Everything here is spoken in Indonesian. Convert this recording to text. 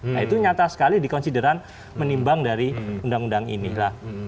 nah itu nyata sekali dikonsideran menimbang dari undang undang inilah